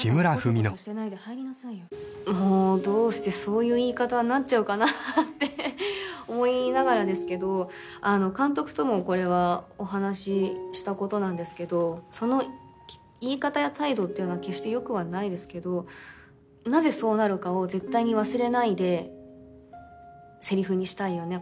もうどうしてそういう言い方になっちゃうかなって思いながらですけど監督ともこれはお話ししたことなんですけどその言い方や態度っていうのは決してよくはないですけどなぜそうなるかを絶対に忘れないでせりふにしたいよね